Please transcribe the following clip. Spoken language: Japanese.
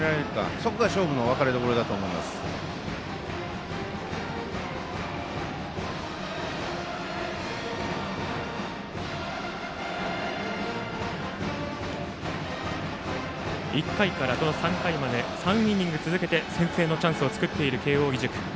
そこが勝負の分かれどころだと１回から３回まで３イニング続けて先制のチャンスを作っている慶応義塾。